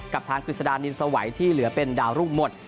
กับทางกฤษฎานินสวัยที่เหลือเป็นดาวรุ่งหมด